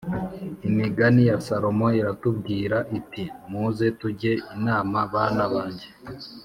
Imigani ya salomo iratubwira iti muze tujye inama bana banjye